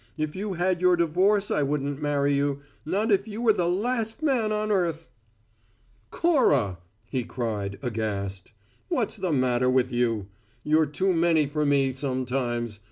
If you had your divorce I wouldn't marry you not if you were the last man on earth!" "Cora," he cried, aghast, "what's the matter with you? You're too many for me sometimes.